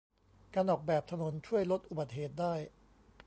การออกแบบถนนช่วยลดอุบัติเหตุได้